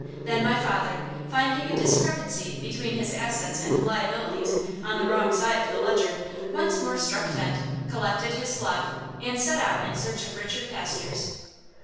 Then my father, finding a discrepancy between his assets and liabilities on the wrong side of the ledger, once more struck tent, collected his flock, and set out in search of richer pastures.